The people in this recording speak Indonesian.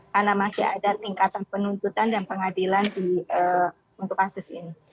karena masih ada tingkatan penuntutan dan pengadilan untuk kasus ini